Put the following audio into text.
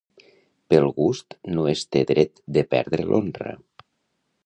Pel gust no es té dret de perdre l'honra.